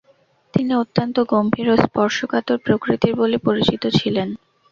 তিনি অত্যন্ত গম্ভীর ও স্পর্শকাতর প্রকৃতির বলে পরিচিত ছিলেন।